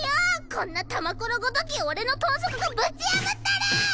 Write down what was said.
こんな玉ころごとき俺の豚足がぶち破ったる。